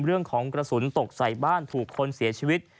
เรื่องของกระสุนตกใส่บ้านถูกคนเสียชีวิต